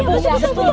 iya saya rujuk